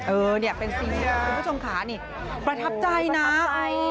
เออเดี๋ยวเป็นซีนที่คุณผู้ชมขาประทับใจนะ